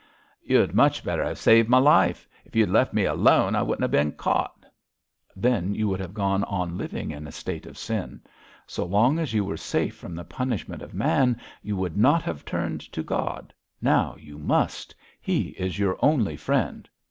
'You'd much better have saved my life. If you'd left me alone I wouldn't have bin caught.' 'Then you would have gone on living in a state of sin. So long as you were safe from the punishment of man you would not have turned to God. Now you must. He is your only friend.'